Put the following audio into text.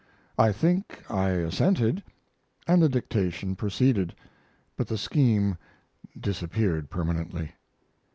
I think I assented, and the dictation proceeded, but the scheme disappeared permanently.